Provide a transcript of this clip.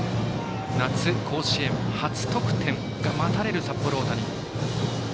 夏の甲子園初得点が待たれる札幌大谷。